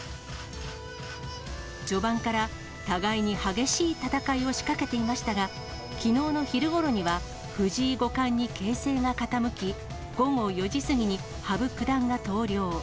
序盤から互いに激しい戦いを仕掛けていましたが、きのうの昼ごろには藤井五冠に形勢が傾き、午後４時過ぎに羽生九段が投了。